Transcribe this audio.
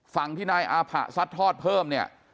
ฝั่งที่นายอาผะซัดทอดเพิ่มเนี่ย